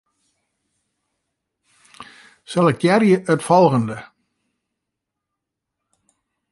Selektearje it folgjende.